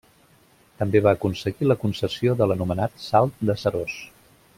També va aconseguir la concessió de l’anomenat Salt de Seròs.